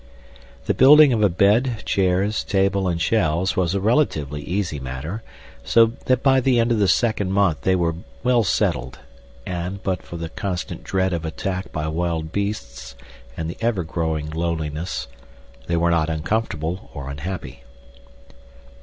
The building of a bed, chairs, table, and shelves was a relatively easy matter, so that by the end of the second month they were well settled, and, but for the constant dread of attack by wild beasts and the ever growing loneliness, they were not uncomfortable or unhappy.